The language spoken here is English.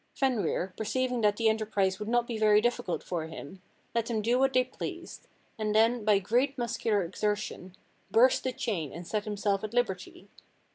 Fenrir, perceiving that the enterprise would not be very difficult for him, let them do what they pleased, and then, by great muscular exertion, burst the chain and set himself at liberty.